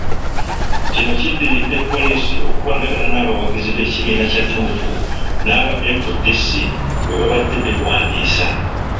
Kino kiddiridde poliisi okulwanagana n'abawagizi b'ekibiina kya Nuupu n'aba FDC bwebabadde beewandiisa.